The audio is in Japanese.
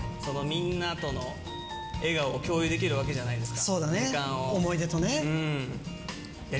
みんなとの笑顔を共有できるわけじゃないですか。